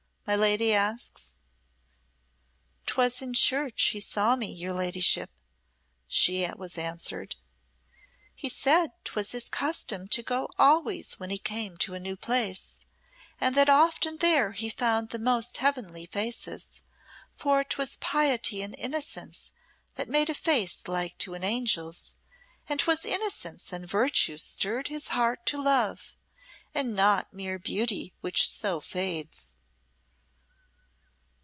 my lady asks. "'Twas in church he saw me, your ladyship," she was answered. "He said 'twas his custom to go always when he came to a new place, and that often there he found the most heavenly faces, for 'twas piety and innocence that made a face like to an angel's; and 'twas innocence and virtue stirred his heart to love, and not mere beauty which so fades."